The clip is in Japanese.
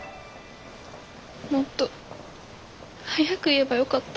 もっと早く言えばよかった。